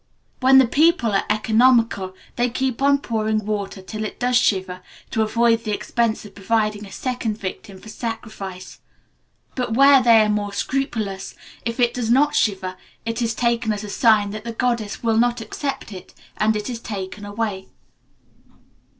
"When the people are economical, they keep on pouring water till it does shiver, to avoid the expense of providing a second victim for sacrifice. But, where they are more scrupulous, if it does not shiver, it is taken as a sign that the goddess will not accept it, and it is taken away."